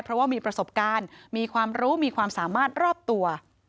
เพราะว่ามีประสบการณ์มีความรู้มีความสามารถรอบตัว